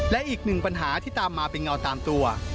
และอีกหนึ่งปัญหาที่ตามมาเป็นเงาตามตัว